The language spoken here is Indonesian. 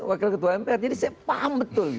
wakil ketua mpr jadi saya paham betul